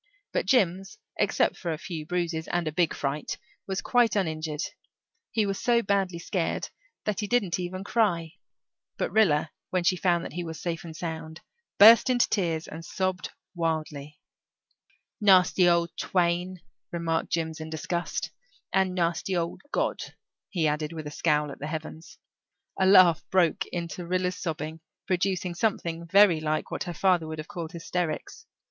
But Jims, except for a few bruises, and a big fright, was quite uninjured. He was so badly scared that he didn't even cry, but Rilla, when she found that he was safe and sound, burst into tears and sobbed wildly. "Nasty old twain," remarked Jims in disgust. "And nasty old God," he added, with a scowl at the heavens. A laugh broke into Rilla's sobbing, producing something very like what her father would have called hysterics.